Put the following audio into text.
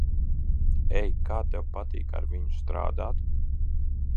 Ei, kā tev patīk ar viņu strādāt?